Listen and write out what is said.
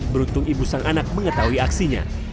beruntung ibu sang anak mengetahui aksinya